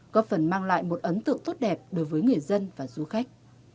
có phần mang lại một ấn tượng tốt đẹp đối với người dân và du khách